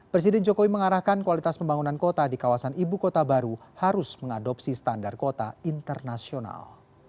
presiden jokowi mengarahkan kualitas pembangunan kota di kawasan ibu kota baru harus mengadopsi standar kota internasional